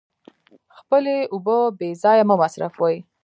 خپلې اوبه بې ځایه مه مصرفوئ.